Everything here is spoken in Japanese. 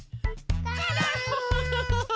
フフフフフ！